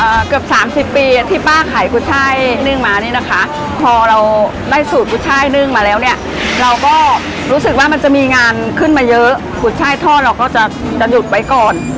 เกือบสามสิบปีอ่ะที่ป้าขายกุช่ายนึ่งมานี่นะคะพอเราได้สูตรกุช่ายนึ่งมาแล้วเนี่ยเราก็รู้สึกว่ามันจะมีงานขึ้นมาเยอะกุช่ายทอดเราก็จะจะหยุดไว้ก่อน